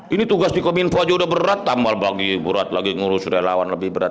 ini tugas di kominfo aja udah berat tambal bagi berat lagi ngurus relawan lebih berat